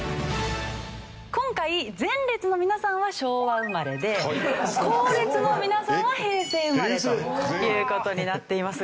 今回前列の皆さんは昭和生まれで後列の皆さんは平成生まれという事になっていますが。